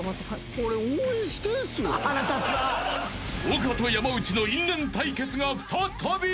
丘と山内の因縁対決が再び。